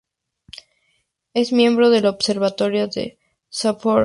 Es miembro del Observatorio de Sapporo.